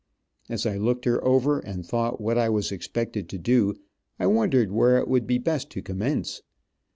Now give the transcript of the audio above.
As I looked her over, and thought what I was expected to do, I wondered where it would be best to commence.